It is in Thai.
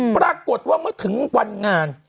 ปรากฏว่าเมื่อถึงวันงาน